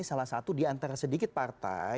salah satu di antara sedikit partai